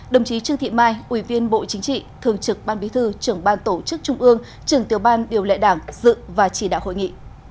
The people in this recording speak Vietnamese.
đồng chí trương thị mai ủy viên bộ chính trị thường trực ban bí thư trưởng ban tổ chức trung ương trưởng tiểu ban điều lệ đảng dự và chỉ đạo hội nghị